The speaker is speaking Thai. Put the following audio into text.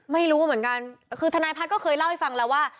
ไม่รู้เหมือนกันคือทนายพัฒน์ก็เคยเล่าให้ฟังแล้วว่า